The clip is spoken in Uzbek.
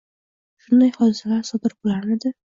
shunday hodisalar sodir bo'larmidi?!